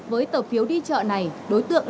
với tờ phiếu đi chợ này đối tượng